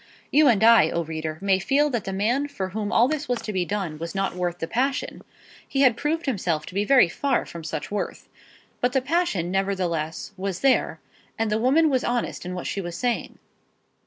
You and I, O reader, may feel that the man for whom all this was to be done was not worth the passion. He had proved himself to be very far from such worth. But the passion, nevertheless, was there, and the woman was honest in what she was saying.